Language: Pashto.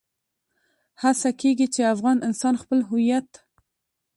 هڅه کېږي چې افغان انسان خپل هويت.